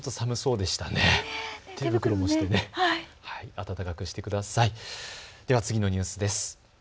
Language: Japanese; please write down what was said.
では次のニュースです。